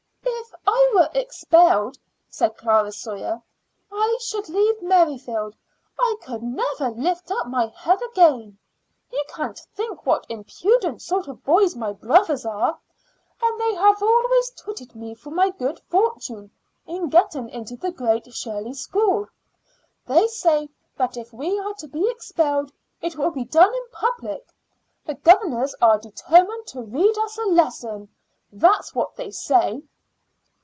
"If I were expelled," said Clara Sawyer, "I should leave Merrifield. I could never lift up my head again. You can't think what impudent sort of boys my brothers are, and they have always twitted me for my good fortune in getting into the Great Shirley School. They say that if we are to be expelled it will be done in public. The governors are determined to read us a lesson. That's what they say."